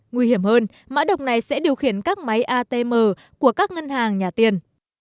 nguy hiểm hơn mã độc này sẽ điều khiển các máy atm của các ngân hàng nhà tiền